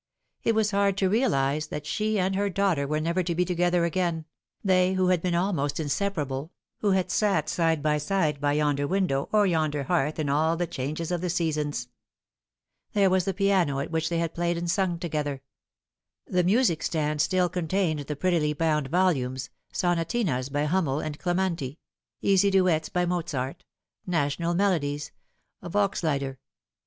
It was hard to realise that she and her daughter were never to be together again, they who had been almost inseparable who had sat side by side by yonder window or yonder hearth in all the changes of the seasons. There was the piano at which they had played and sung together. The music stand still contained the prettily bound volumes sonatinas by Hummel and dementi easy duets by Mozart, national melodies, Volks Lieder.